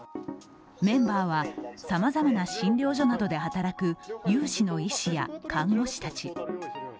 メンバーはさまざまな診療所などで働く有志の医師や看護師たち。